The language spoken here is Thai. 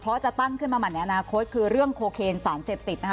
เพราะจะตั้งขึ้นมาใหม่ในอนาคตคือเรื่องโคเคนสารเสพติดนะคะ